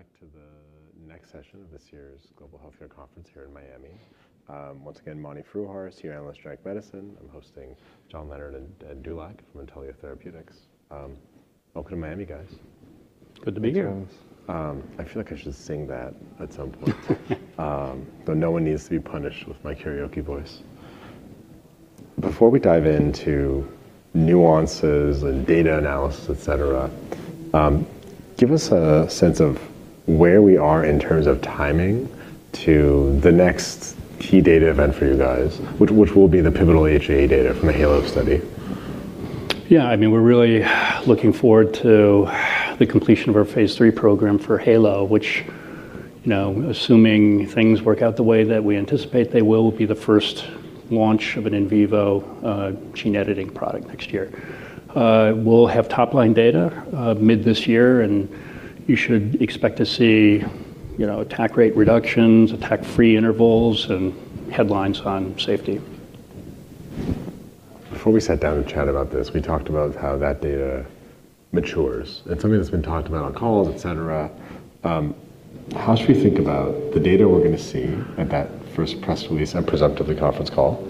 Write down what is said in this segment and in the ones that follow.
Perfect. Thank you. Welcome back to the next session of this year's Global Healthcare Conference here in Miami. Once again, Mani Foroohar, senior analyst at Leerink Partners. I'm hosting John Leonard and Ed Dulac from Intellia Therapeutics. Welcome to Miami, guys. Good to be here. Thanks. I feel like I should sing that at some point. No one needs to be punished with my karaoke voice. Before we dive into nuances and data analysis, et cetera, give us a sense of where we are in terms of timing to the next key data event for you guys, which will be the pivotal HAE data from the HAELO study. I mean, we're really looking forward to the completion of our Phase III program for Halo, which, you know, assuming things work out the way that we anticipate they will be the first launch of an in vivo gene editing product next year. We'll have top-line data mid this year, and you should expect to see, you know, attack rate reductions, attack-free intervals, and headlines on safety. Before we sat down to chat about this, we talked about how that data matures, and it's something that's been talked about on calls, et cetera. How should we think about the data we're going to see at that first press release and presumptively conference call,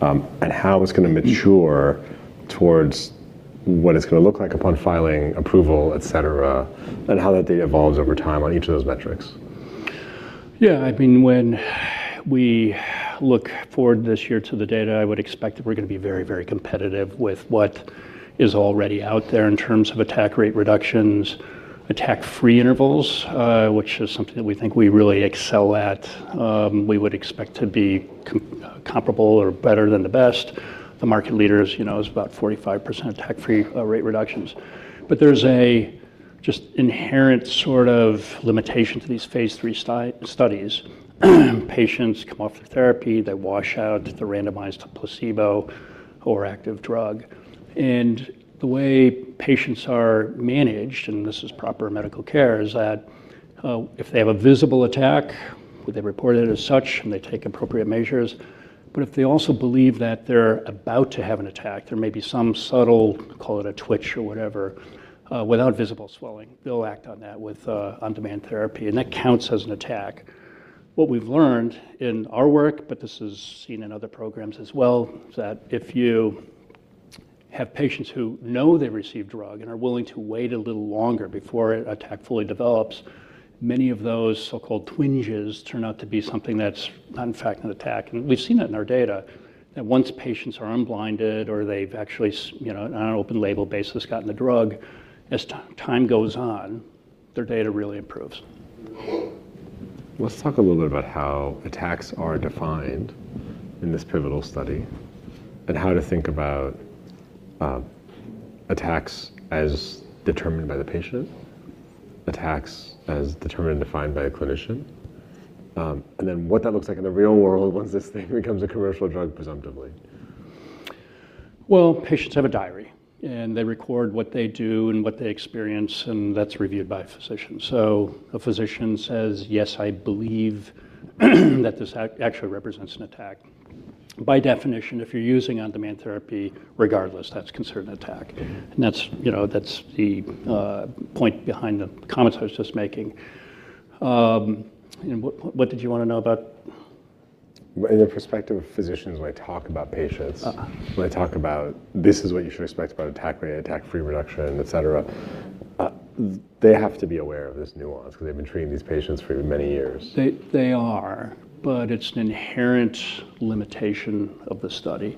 and how it's going to mature towards what it's going to look like upon filing approval, et cetera, and how that data evolves over time on each of those metrics? Yeah. I mean, when we look forward this year to the data, I would expect that we're going to be very, very competitive with what is already out there in terms of attack rate reductions, attack-free intervals, which is something that we think we really excel at. We would expect to be comparable or better than the best. The market leaders, you know, is about 45% attack-free rate reductions. There's a just inherent sort of limitation to these Phase III studies. Patients come off the therapy, they wash out the randomized placebo or active drug. The way patients are managed, and this is proper medical care, is that, if they have a visible attack, they report it as such, and they take appropriate measures. If they also believe that they're about to have an attack, there may be some subtle, call it a twitch or whatever, without visible swelling, they'll act on that with on-demand therapy, and that counts as an attack. What we've learned in our work, but this is seen in other programs as well, is that if you have patients who know they received drug and are willing to wait a little longer before an attack fully develops, many of those so-called twinges turn out to be something that's not in fact an attack. We've seen that in our data, that once patients are unblinded or they've actually you know, on an open label basis, gotten the drug, as time goes on, their data really improves. Let's talk a little bit about how attacks are defined in this pivotal study, and how to think about attacks as determined by the patient, attacks as determined and defined by a clinician, and then what that looks like in the real world once this thing becomes a commercial drug presumptively. Well, patients have a diary, and they record what they do and what they experience, and that's reviewed by a physician. A physician says, "Yes, I believe that this actually represents an attack." By definition, if you're using on-demand therapy, regardless, that's considered an attack. That's, you know, that's the point behind the comments I was just making. What did you want to know about? In the perspective of physicians, when I talk about patients- Uh-uh ...when I talk about this is what you should expect about attack rate, attack-free reduction, et cetera, they have to be aware of this nuance because they've been treating these patients for many years. They are, but it's an inherent limitation of the study.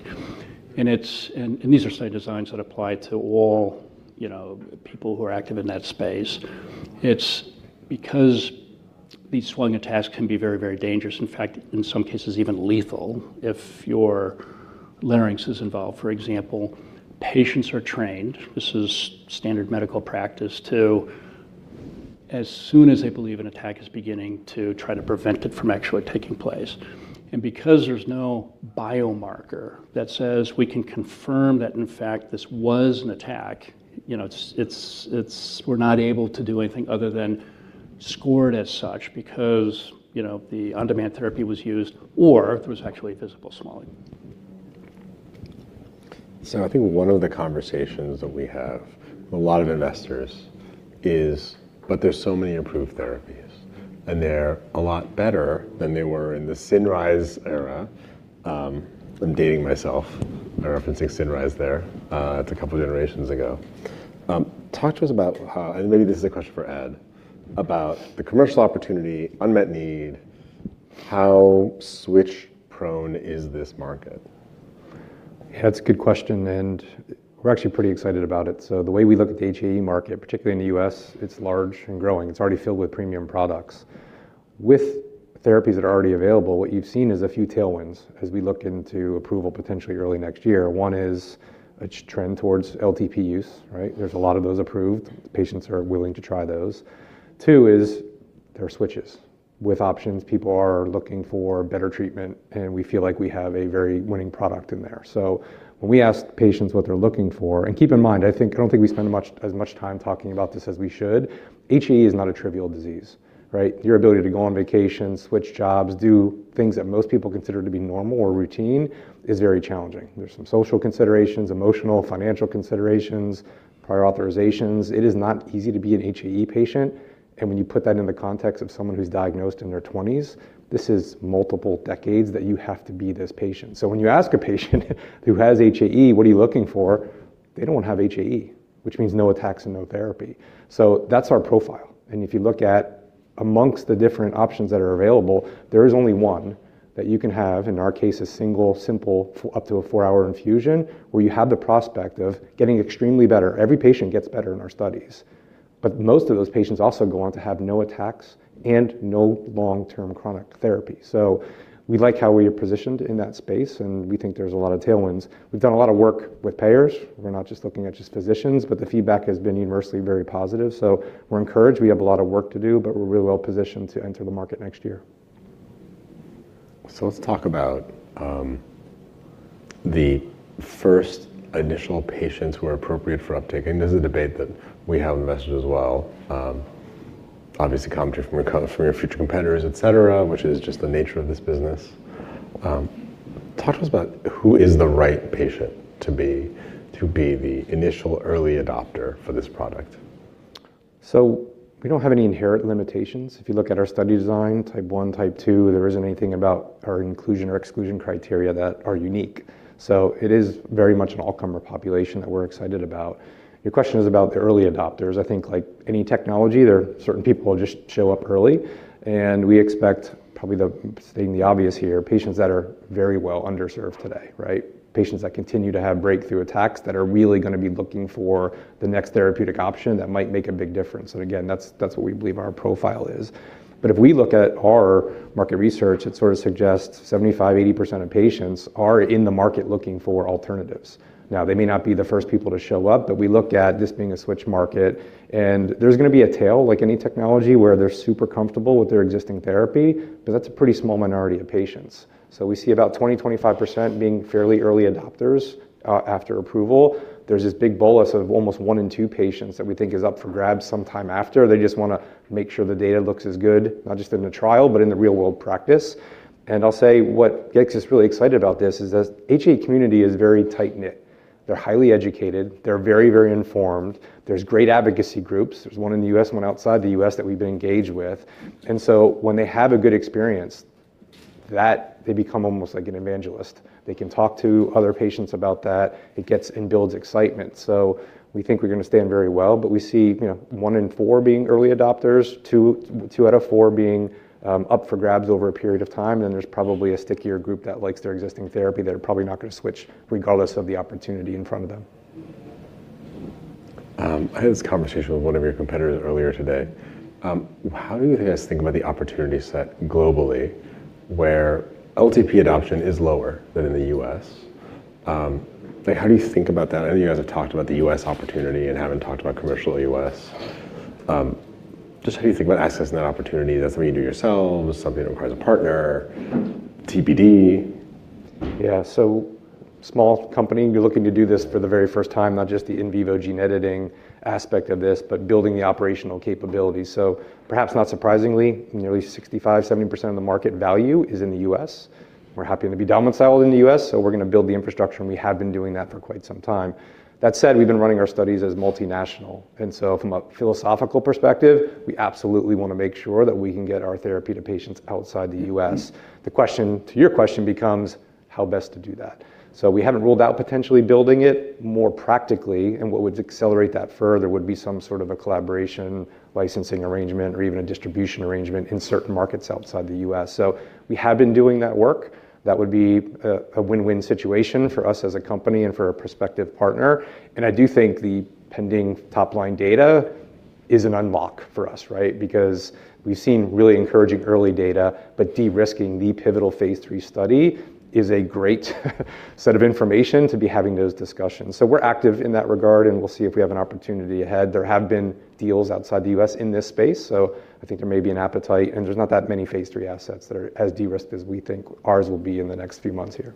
These are study designs that apply to all, you know, people who are active in that space. It's because these swelling attacks can be very, very dangerous, in fact, in some cases, even lethal, if your larynx is involved. For example, patients are trained, this is standard medical practice, to as soon as they believe an attack is beginning, to try to prevent it from actually taking place. Because there's no biomarker that says we can confirm that, in fact, this was an attack, you know, it's we're not able to do anything other than score it as such because, you know, the on-demand therapy was used or there was actually a visible swelling. I think one of the conversations that we have with a lot of investors is, there's so many improved therapies, and they're a lot better than they were in the Cinryze era. I'm dating myself by referencing Cinryze there. It's a couple generations ago. Talk to us about how, and maybe this is a question for Ed, about the commercial opportunity, unmet need, how switch prone is this market? Yeah, it's a good question, and we're actually pretty excited about it. The way we look at the HAE market, particularly in the US, it's large and growing. It's already filled with premium products. With therapies that are already available, what you've seen is a few tailwinds as we look into approval potentially early next year. One is a trend towards LTP use, right? There's a lot of those approved. Patients are willing to try those. Two is there are switches with options. People are looking for better treatment, and we feel like we have a very winning product in there. When we ask patients what they're looking for. Keep in mind, I think, I don't think we spend as much time talking about this as we should. HAE is not a trivial disease, right? Your ability to go on vacation, switch jobs, do things that most people consider to be normal or routine is very challenging. There's some social considerations, emotional, financial considerations, prior authorizations. It is not easy to be an HAE patient. When you put that in the context of someone who's diagnosed in their 20s, this is multiple decades that you have to be this patient. When you ask a patient who has HAE, "What are you looking for?" They don't want to have HAE, which means no attacks and no therapy. That's our profile. If you look at amongst the different options that are available, there is only one that you can have, in our case, a single simple up to a four-hour infusion, where you have the prospect of getting extremely better. Every patient gets better in our studies, most of those patients also go on to have no attacks and no long-term chronic therapy. We like how we are positioned in that space, and we think there's a lot of tailwinds. We've done a lot of work with payers. We're not just looking at just physicians, the feedback has been universally, very positive, we're encouraged. We have a lot of work to do, we're really well positioned to enter the market next year. Let's talk about the first initial patients who are appropriate for uptake. This is a debate that we have invested as well, obviously coming to you from your future competitors, et cetera, which is just the nature of this business. Talk to us about who is the right patient to be the initial early adopter for this product. We don't have any inherent limitations. If you look at our study design, Type one, Type two, there isn't anything about our inclusion or exclusion criteria that are unique. It is very much an all-comer population that we're excited about. Your question is about the early adopters. I think like any technology, there are certain people who just show up early, and we expect probably stating the obvious here, patients that are very well underserved today, right? Patients that continue to have breakthrough attacks that are really going to be looking for the next therapeutic option that might make a big difference. Again, that's what we believe our profile is. If we look at our market research, it sort of suggests 75%, 80% of patients are in the market looking for alternatives. They may not be the first people to show up, but we look at this being a switch market, and there's going to be a tail like any technology where they're super comfortable with their existing therapy, but that's a pretty small minority of patients. We see about 20%-25% being fairly early adopters after approval. There's this big bolus of almost one in two patients that we think is up for grabs sometime after. They just want to make sure the data looks as good, not just in the trial but in the real world practice. I'll say what gets us really excited about this is the HAE community is very tight-knit. They're highly educated. They're very, very informed. There's great advocacy groups. There's one in the U.S., one outside the U.S. that we've been engaged with. When they have a good experience, that they become almost like an evangelist. They can talk to other patients about that. It gets and builds excitement. We think we're going to stand very well, but we see, you know, one in four being early adopters, two out of four being up for grabs over a period of time. There's probably a stickier group that likes their existing therapy. They're probably not going to switch regardless of the opportunity in front of them. I had this conversation with one of your competitors earlier today. How do you guys think about the opportunity set globally where LTP adoption is lower than in the U.S.? How do you think about that? I know you guys have talked about the U.S. opportunity and haven't talked about commercial U.S. Just how do you think about accessing that opportunity? That's something you do yourselves, something that requires a partner, TBD. Small company, you're looking to do this for the very first time, not just the in vivo gene editing aspect of this, but building the operational capabilities. Perhaps not surprisingly, nearly 65%, 70% of the market value is in the U.S. We're happy to be domiciled in the U.S., we're going to build the infrastructure, and we have been doing that for quite some time. That said, we've been running our studies as multinational, from a philosophical perspective, we absolutely want to make sure that we can get our therapy to patients outside the U.S. The question, to your question, becomes how best to do that. We haven't ruled out potentially building it more practically, and what would accelerate that further would be some sort of a collaboration, licensing arrangement, or even a distribution arrangement in certain markets outside the U.S. We have been doing that work. That would be a win-win situation for us as a company and for a prospective partner. I do think the pending top-line data is an unlock for us, right? Because we've seen really encouraging early data, but de-risking the pivotal phase III study is a great set of information to be having those discussions. We're active in that regard, and we'll see if we have an opportunity ahead. There have been deals outside the US in this space, so I think there may be an appetite, and there's not that many phase III assets that are as de-risked as we think ours will be in the next few months here.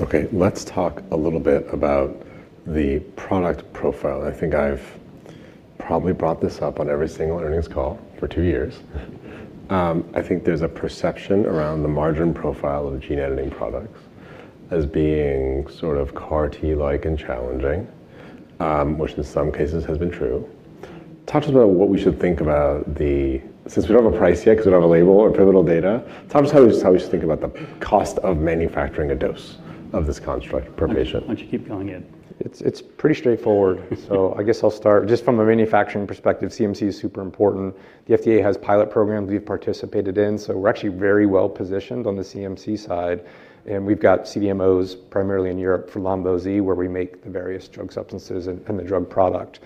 Okay. Let's talk a little bit about the product profile. I think I've probably brought this up on every single earnings call for two years. I think there's a perception around the margin profile of gene editing products as being sort of CAR-T-like and challenging, which in some cases has been true. Talk to us about what we should think about Since we don't have a price yet because we don't have a label or pivotal data, talk to us how we should think about the cost of manufacturing a dose of this construct per patient? Why don't you keep going, Ed? It's pretty straightforward. I guess I'll start. Just from a manufacturing perspective, CMC is super important. The FDA has pilot programs we've participated in, so we're actually very well positioned on the CMC side, and we've got CDMOs primarily in Europe for lonvo-z, where we make the various drug substances and the drug product.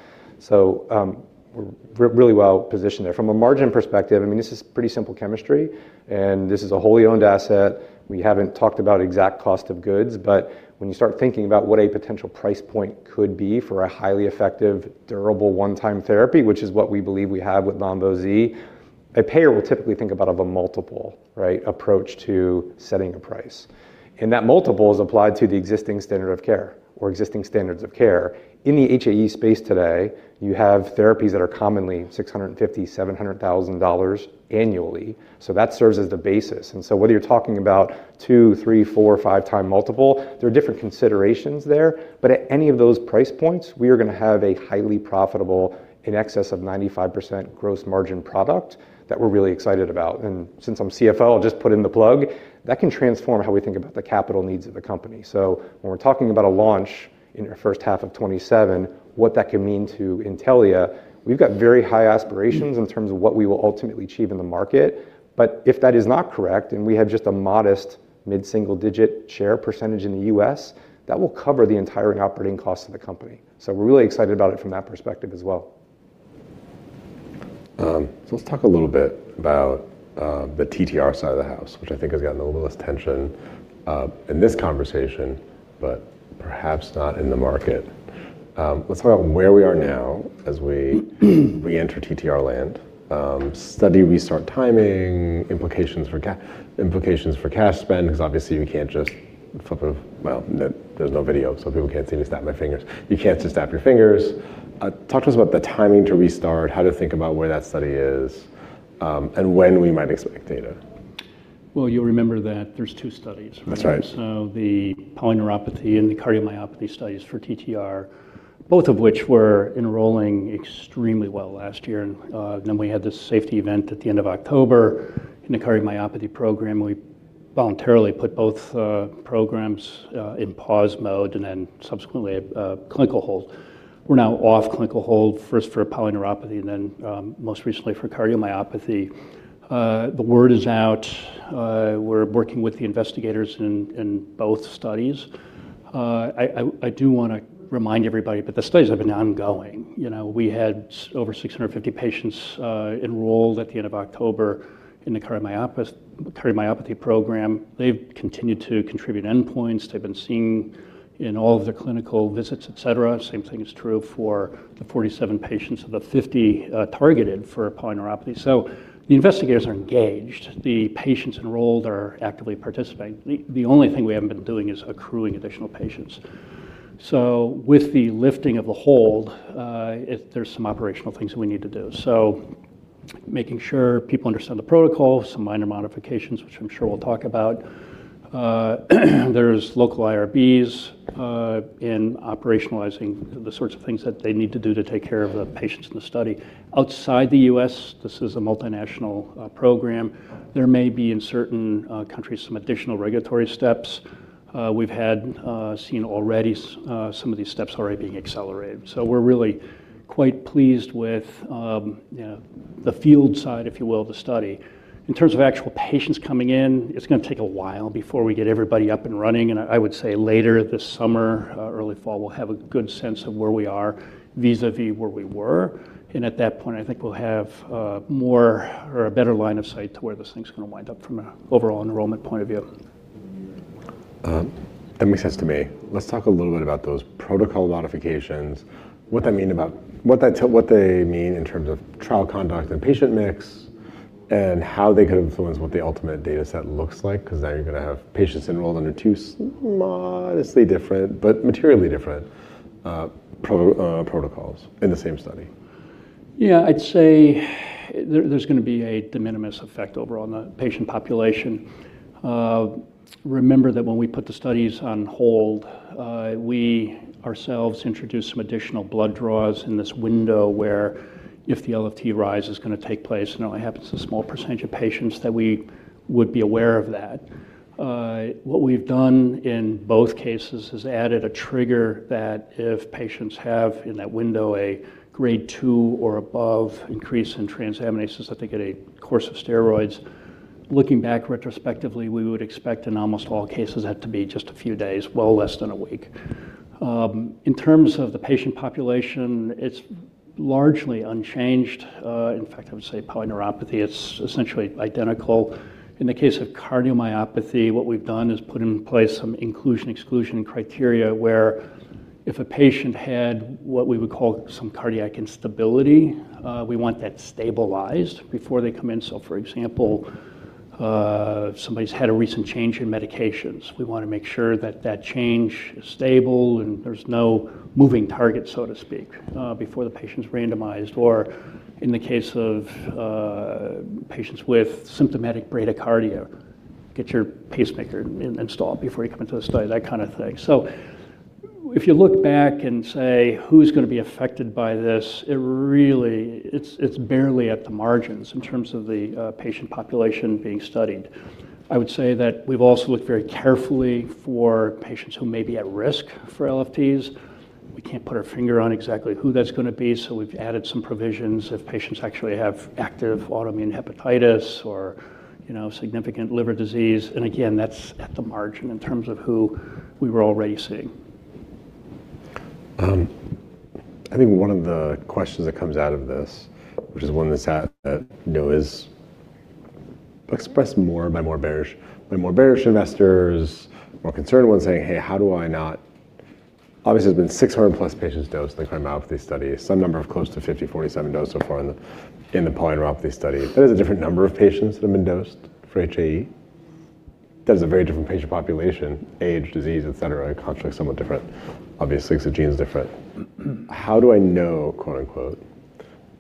We're really well positioned there. From a margin perspective, I mean, this is pretty simple chemistry, and this is a wholly owned asset. We haven't talked about exact cost of goods. When you start thinking about what a potential price point could be for a highly effective, durable, one-time therapy, which is what we believe we have with Lonvo-Z, a payer will typically think about of a multiple, right, approach to setting a price. That multiple is applied to the existing standard of care or existing standards of care. In the HAE space today, you have therapies that are commonly $650,000-$700,000 annually. That serves as the basis. Whether you're talking about two, three, four, or five time multiple, there are different considerations there. At any of those price points, we are going to have a highly profitable, in excess of 95% gross margin product that we're really excited about. Since I'm CFO, I'll just put in the plug, that can transform how we think about the capital needs of the company. When we're talking about a launch in our first half of 2027, what that could mean to Intellia, we've got very high aspirations in terms of what we will ultimately achieve in the market. If that is not correct, and we have just a modest mid-single digit share percentage in the U.S., that will cover the entire operating cost of the company. We're really excited about it from that perspective as well. Let's talk a little bit about the TTR side of the house, which I think has gotten a little less tension in this conversation, but perhaps not in the market. Let's talk about where we are now as we reenter TTR land, study restart timing, implications for cash spend. Obviously, we can't just flip a... Well, there's no video, so people can't see me snap my fingers. You can't just snap your fingers. Talk to us about the timing to restart, how to think about where that study is, and when we might expect data. Well, you'll remember that there's two studies, right? That's right. The polyneuropathy and the cardiomyopathy studies for TTR, both of which were enrolling extremely well last year, then we had this safety event at the end of October in the cardiomyopathy program. We voluntarily put both programs in pause mode and then subsequently a clinical hold. We're now off clinical hold, first for polyneuropathy and then most recently for cardiomyopathy. The word is out, we're working with the investigators in both studies. I do want to remind everybody, the studies have been ongoing. You know, we had over 650 patients enrolled at the end of October in the cardiomyopathy program. They've continued to contribute endpoints. They've been seen in all of their clinical visits, et cetera. Same thing is true for the 47 patients of the 50 targeted for polyneuropathy. The investigators are engaged. The patients enrolled are actively participating. The only thing we haven't been doing is accruing additional patients. With the lifting of the hold, there's some operational things that we need to do. Making sure people understand the protocol, some minor modifications, which I'm sure we'll talk about. There's local IRBs in operationalizing the sorts of things that they need to do to take care of the patients in the study. Outside the US, this is a multinational program. There may be, in certain countries, some additional regulatory steps. We've had seen already some of these steps already being accelerated. We're really quite pleased with, you know, the field side, if you will, of the study. In terms of actual patients coming in, it's going to take a while before we get everybody up and running. I would say later this summer, early fall, we'll have a good sense of where we are vis-à-vis where we were. At that point, I think we'll have more or a better line of sight to where this thing's going to wind up from an overall enrollment point of view. That makes sense to me. Let's talk a little bit about those protocol modifications, what they mean in terms of trial conduct and patient mix, and how they could influence what the ultimate data set looks like, because now you're going to have patients enrolled under two slightly different but materially different protocols in the same study. Yeah, I'd say there's going to be a de minimis effect overall on the patient population. Remember that when we put the studies on hold, we ourselves introduced some additional blood draws in this window where if the LFT rise is going to take place, and it only happens to a small percentage of patients, that we would be aware of that. What we've done in both cases is added a trigger that if patients have, in that window, a Grade 2 or above increase in transaminases, that they get a course of steroids. Looking back retrospectively, we would expect in almost all cases that to be just a few days, well less than a week. In terms of the patient population, it's largely unchanged. In fact, I would say polyneuropathy, it's essentially identical. In the case of cardiomyopathy, what we've done is put in place some inclusion/exclusion criteria where if a patient had what we would call some cardiac instability, we want that stabilized before they come in. For example, if somebody's had a recent change in medications, we want to make sure that that change is stable and there's no moving target, so to speak, before the patient's randomized. In the case of patients with symptomatic bradycardia, get your pacemaker installed before you come into the study, that kind of thing. If you look back and say, "Who's going to be affected by this?" It really... It's barely at the margins in terms of the patient population being studied. I would say that we've also looked very carefully for patients who may be at risk for LFTs. We can't put our finger on exactly who that's going to be. We've added some provisions if patients actually have active autoimmune hepatitis or, you know, significant liver disease. Again, that's at the margin in terms of who we were already seeing. I think one of the questions that comes out of this, which is one that's, you know, Express more by more bearish investors, more concerned ones saying, hey, how do I not obviously, there's been +600 patients dosed in the cardiomyopathy study, some number of close to 50, 47 dosed so far in the polyneuropathy study. That is a different number of patients that have been dosed for HAE. That is a very different patient population, age, disease, et cetera, constantly somewhat different. Obviously, because the gene is different. How do I know, quote-unquote,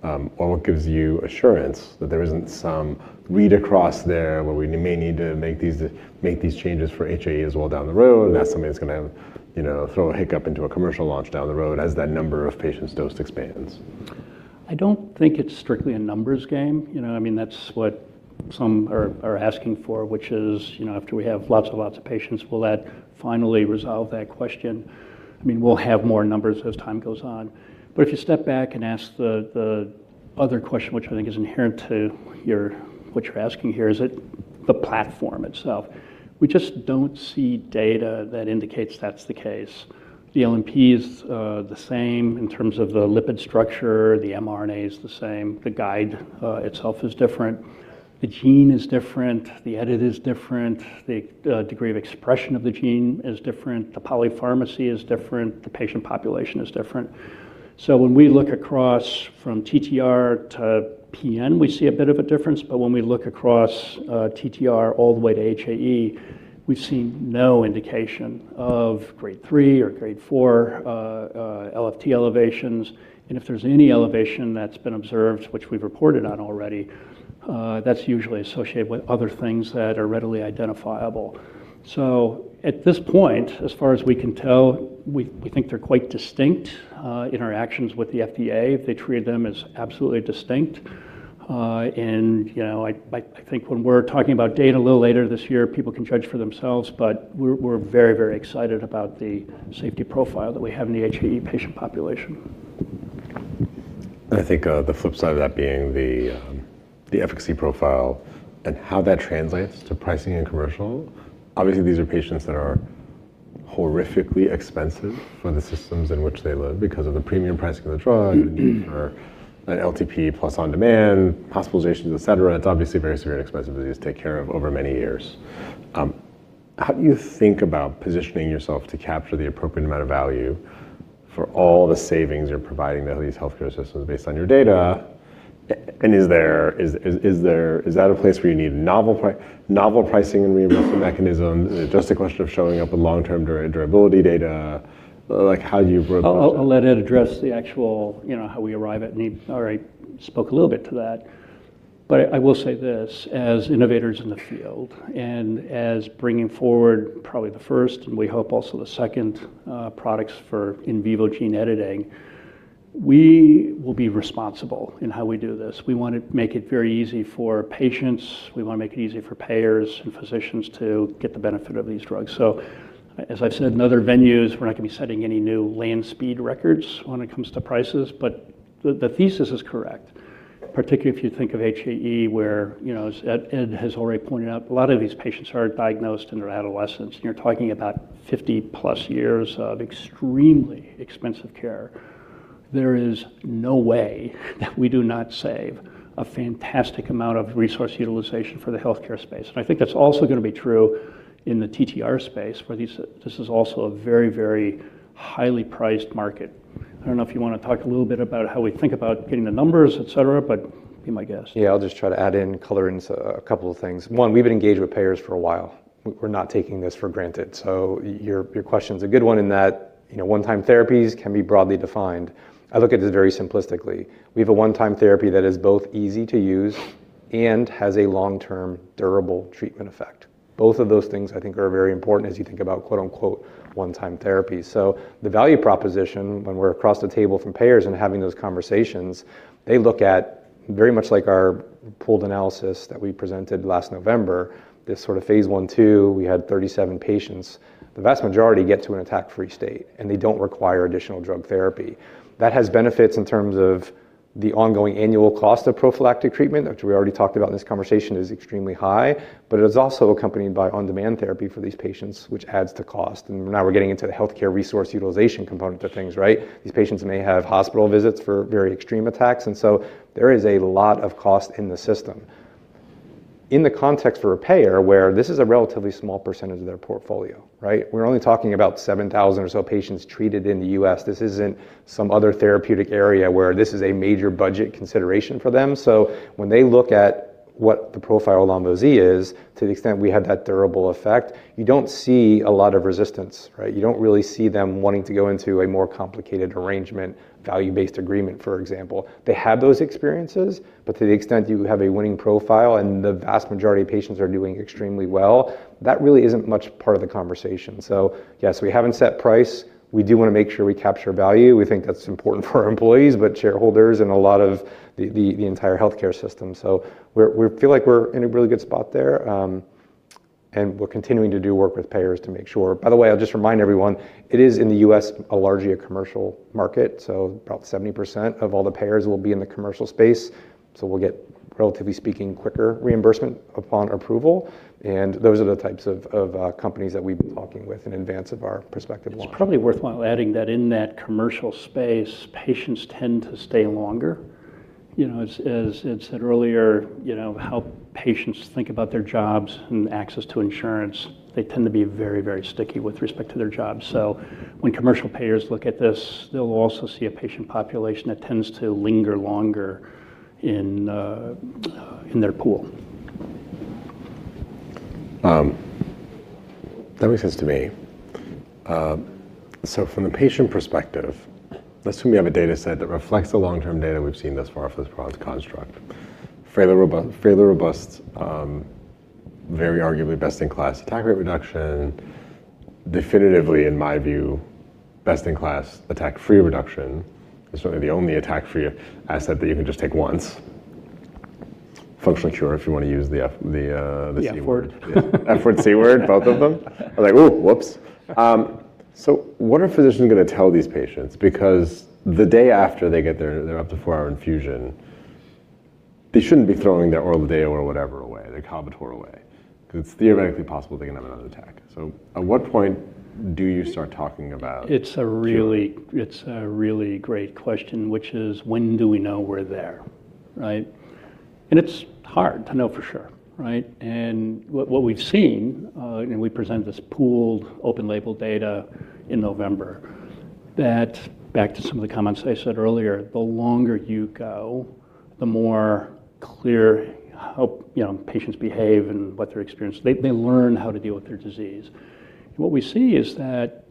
or what gives you assurance that there isn't some read across there where we may need to make these changes for HAE as well down the road, and that's something that's going to, you know, throw a hiccup into a commercial launch down the road as that number of patients dosed expands? I don't think it's strictly a numbers game. You know what I mean? That's what some are asking for, which is, you know, after we have lots and lots of patients, will that finally resolve that question? I mean, we'll have more numbers as time goes on. If you step back and ask the other question, which I think is inherent to what you're asking here, is it the platform itself? We just don't see data that indicates that's the case. The LNP is the same in terms of the lipid structure, the mRNA is the same, the guide itself is different, the gene is different, the edit is different, the degree of expression of the gene is different, the polypharmacy is different, the patient population is different. When we look across from TTR to PN, we see a bit of a difference, but when we look across TTR all the way to HAE, we see no indication of Grade 3 or Grade 4 LFT elevations. If there's any elevation that's been observed, which we've reported on already, that's usually associated with other things that are readily identifiable. At this point, as far as we can tell, we think they're quite distinct in our actions with the FDA. They treat them as absolutely distinct. You know, I think when we're talking about data a little later this year, people can judge for themselves, but we're very, very excited about the safety profile that we have in the HAE patient population. I think the flip side of that being the efficacy profile and how that translates to pricing and commercial. Obviously, these are patients that are horrifically expensive for the systems in which they live because of the premium pricing of the drug, for an LTP plus on-demand, hospitalizations, et cetera. It's obviously very severe and expensive disease to take care of over many years. How do you think about positioning yourself to capture the appropriate amount of value for all the savings you're providing to these healthcare systems based on your data? Is there, is that a place where you need novel pricing and reimbursement mechanisms? Is it just a question of showing up with long-term durability data? Like, how do you approach that? I'll let Ed address the actual, you know, how we arrive at need. Alright, spoke a little bit to that. I will say this, as innovators in the field and as bringing forward probably the first, and we hope also the second, products for in vivo gene editing, we will be responsible in how we do this. We want to make it very easy for patients. We want to make it easy for payers and physicians to get the benefit of these drugs. As I've said in other venues, we're not going to be setting any new land speed records when it comes to prices, but the thesis is correct, particularly if you think of HAE, where, you know, as Ed has already pointed out, a lot of these patients are diagnosed in their adolescence, and you're talking about 50-plus years of extremely expensive care. There is no way that we do not save a fantastic amount of resource utilization for the healthcare space. I think that's also going to be true in the TTR space, where this is also a very, very highly prized market. I don't know if you want to talk a little bit about how we think about getting the numbers, et cetera, but be my guest. I'll just try to add in color into a couple of things. One, we've been engaged with payers for a while. We're not taking this for granted. Your question's a good one in that, you know, one-time therapies can be broadly defined. I look at this very simplistically. We have a one-time therapy that is both easy to use and has a long-term durable treatment effect. Both of those things I think are very important as you think about quote-unquote one-time therapy. The value proposition when we're across the table from payers and having those conversations, they look at very much like our pooled analysis that we presented last November, this sort of Phase 1, Phase 2, we had 37 patients. The vast majority get to an attack-free state, and they don't require additional drug therapy. That has benefits in terms of the ongoing annual cost of prophylactic treatment, which we already talked about in this conversation, is extremely high. It is also accompanied by on-demand therapy for these patients, which adds to cost. Now we're getting into the healthcare resource utilization component of things, right? These patients may have hospital visits for very extreme attacks. There is a lot of cost in the system. In the context for a payer, where this is a relatively small percentage of their portfolio, right? We're only talking about 7,000 or so patients treated in the U.S. This isn't some other therapeutic area where this is a major budget consideration for them. When they look at what the profile of lonvo-z is, to the extent we have that durable effect, you don't see a lot of resistance, right? You don't really see them wanting to go into a more complicated arrangement, value-based agreement, for example. They have those experiences, but to the extent you have a winning profile and the vast majority of patients are doing extremely well, that really isn't much part of the conversation. Yes, we haven't set price. We do want to make sure we capture value. We think that's important for our employees, but shareholders and a lot of the entire healthcare system. We feel like we're in a really good spot there, and we're continuing to do work with payers to make sure. By the way, I'll just remind everyone, it is in the U.S. a largely a commercial market, so about 70% of all the payers will be in the commercial space, so we'll get, relatively speaking, quicker reimbursement upon approval, and those are the types of companies that we've been talking with in advance of our prospective launch. It's probably worthwhile adding that in that commercial space, patients tend to stay longer. You know, as said earlier, you know, how patients think about their jobs and access to insurance, they tend to be very, very sticky with respect to their jobs. When commercial payers look at this, they'll also see a patient population that tends to linger longer in their pool. That makes sense to me. From the patient perspective, assume you have a data set that reflects the long-term data we've seen thus far for this product construct. Fairly robust, very arguably best-in-class attack rate reduction. Definitively, in my view, best-in-class attack-free reduction. It's probably the only attack-free asset that you can just take once. Functional cure if you want to use the C word. The F word. F word, C word, both of them. I'm like, "Oh, whoops." What are physicians going to tell these patients? The day after they get their up to four-hour infusion, they shouldn't be throwing their Orladeyo or whatever away, their Kalbitor away, because it's theoretically possible they can have another attack. At what point do you start talking about cure? It's a really great question, which is when do we know we're there, right? It's hard to know for sure, right? What we've seen, and we present this pooled open label data in November, that back to some of the comments I said earlier, the longer you go, the more clear how, you know, patients behave and what their experience. They learn how to deal with their disease. What we see is that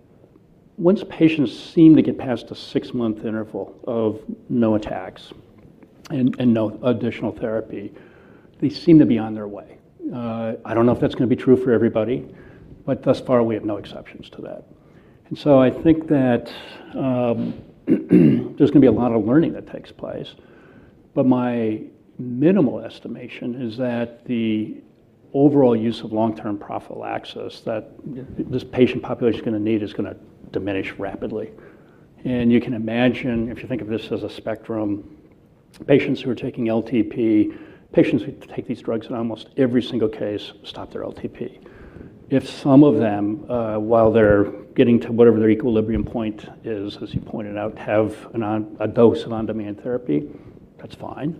once patients seem to get past a six-month interval of no attacks and no additional therapy, they seem to be on their way. I don't know if that's going to be true for everybody, but thus far, we have no exceptions to that. I think that there's going to be a lot of learning that takes place. My minimal estimation is that the overall use of long-term prophylaxis that this patient population's going to need is going to diminish rapidly. You can imagine, if you think of this as a spectrum, patients who are taking LTP, patients who take these drugs in almost every single case stop their LTP. If some of them, while they're getting to whatever their equilibrium point is, as you pointed out, have a dose of on-demand therapy, that's fine.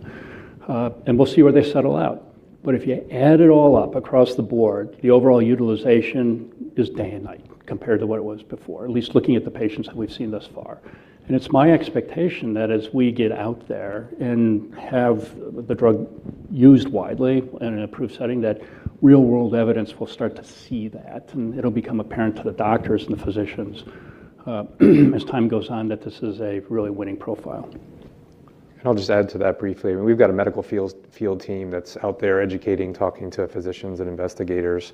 We'll see where they settle out. If you add it all up across the board, the overall utilization is day and night compared to what it was before, at least looking at the patients that we've seen thus far. It's my expectation that as we get out there and have the drug used widely in an approved setting, that real world evidence will start to see that, and it'll become apparent to the doctors and the physicians, as time goes on, that this is a really winning profile. I'll just add to that briefly. I mean, we've got a medical field team that's out there educating, talking to physicians and investigators.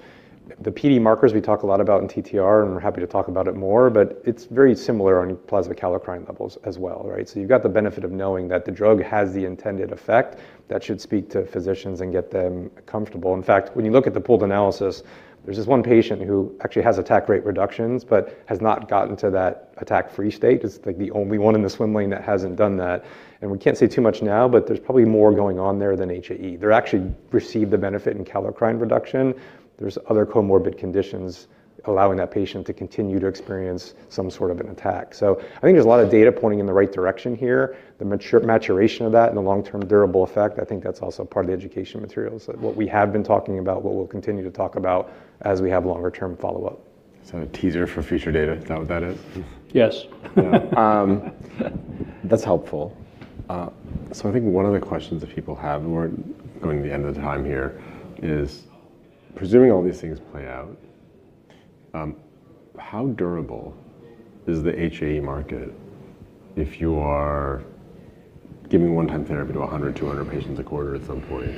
The PD markers we talk a lot about in TTR, and we're happy to talk about it more, but it's very similar on plasma kallikrein levels as well, right? You've got the benefit of knowing that the drug has the intended effect that should speak to physicians and get them comfortable. In fact, when you look at the pooled analysis, there's this one patient who actually has attack rate reductions but has not gotten to that attack-free state. It's, like, the only one in the swim lane that hasn't done that, and we can't say too much now, but there's probably more going on there than HAE. They're actually received the benefit in kallikrein reduction. There's other comorbid conditions allowing that patient to continue to experience some sort of an attack. I think there's a lot of data pointing in the right direction here. The maturation of that and the long-term durable effect, I think that's also part of the education materials. What we have been talking about, what we'll continue to talk about as we have longer-term follow-up. Is that a teaser for future data? Is that what that is? Yes. Yeah. That's helpful. I think one of the questions that people have, and we're coming to the end of the time here, is presuming all these things play out, how durable is the HAE market if you are giving one-time therapy to 100, 200 patients a quarter at some point?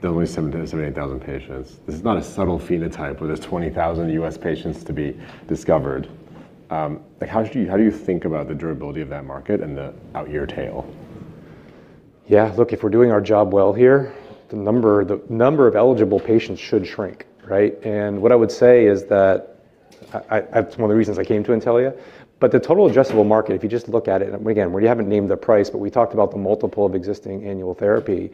There are only 78,000 patients. This is not a subtle phenotype where there's 20,000 U.S. patients to be discovered. Like, how do you, how do you think about the durability of that market and the out-year tail? Yeah, look, if we're doing our job well here, the number of eligible patients should shrink, right? What I would say is that That's one of the reasons I came to Intellia, but the total addressable market, if you just look at it, and again, we haven't named the price, but we talked about the multiple of existing annual therapy.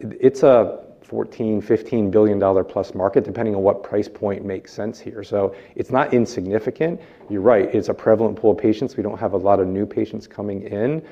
It's a $14 billion-$15 billion-plus market, depending on what price point makes sense here. It's not insignificant. You're right, it's a prevalent pool of patients. We don't have a lot of new patients coming in,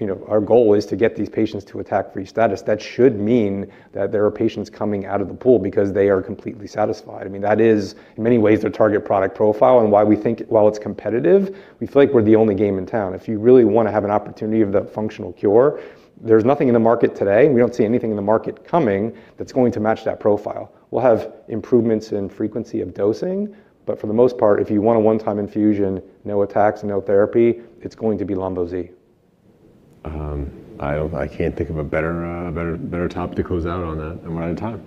you know, our goal is to get these patients to attack-free status. That should mean that there are patients coming out of the pool because they are completely satisfied. I mean, that is, in many ways, their target product profile and why we think, while it's competitive, we feel like we're the only game in town. If you really want to have an opportunity of the functional cure, there's nothing in the market today, and we don't see anything in the market coming that's going to match that profile. We'll have improvements in frequency of dosing, but for the most part, if you want a one-time infusion, no attacks, no therapy, it's going to be Lonbo Z. I can't think of a better topic to close out on that, and we're out of time.